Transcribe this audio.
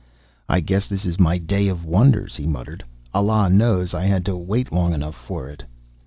"I guess this is my day of wonders!" he muttered. "Allah knows I had to wait long enough for it!"